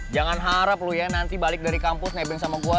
jangan harap lu ya nanti balik dari kampus nebeng sama gue